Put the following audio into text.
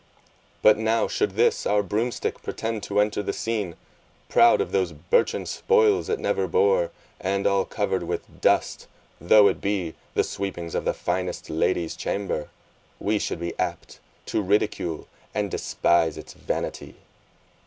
But now should this our broomstick pretend to enter the scene, proud of those birchen spoils it never bore, and all covered with dust, though the sweepings of the finest lady's chamber, we should be apt to ridicule and despise its vanity.